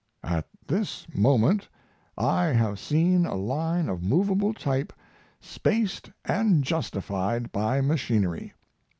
At this moment I have seen a line of movable type spaced and justified by machinery!